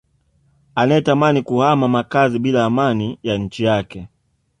anayetamani kuhama makazi bila amani ya nchi yake